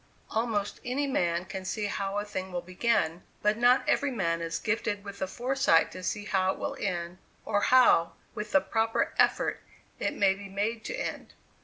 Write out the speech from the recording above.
Almost any man can see how a thing will begin, but not every man is gifted with the foresight to see how it will end, or how, with the proper effort, it may be made to end.